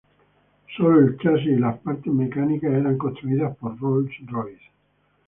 Solo el chasis y las parte mecánicas eran construidas por Rolls-Royce.